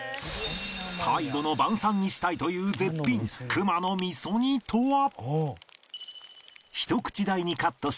最後の晩餐にしたいという絶品熊の味噌煮とは？